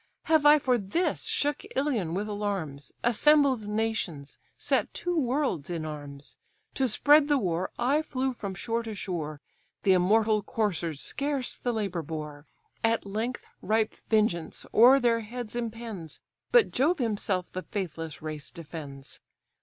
Have I, for this, shook Ilion with alarms, Assembled nations, set two worlds in arms? To spread the war, I flew from shore to shore; The immortal coursers scarce the labour bore. At length ripe vengeance o'er their heads impends, But Jove himself the faithless race defends.